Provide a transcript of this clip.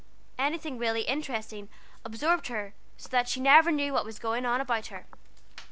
Anything really interesting absorbed her so that she never knew what was going on about her.